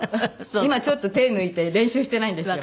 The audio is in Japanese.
今ちょっと手抜いて練習してないんですよ。